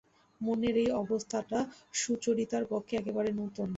মনের এই অবস্থাটা সুচরিতার পক্ষে একেবারে নূতন।